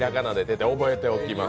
てて、覚えておきます。